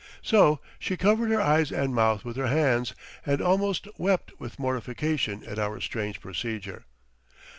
So she covered her eyes and mouth with her hands, and almost wept with mortification at our strange procedure.